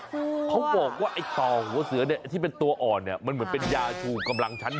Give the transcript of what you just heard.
เขาบอกว่าตองหัวเสือที่เป็นตัวอ่อนมันเหมือนเป็นยาถูกำลังฉันด